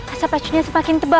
asap acunya semakin tebal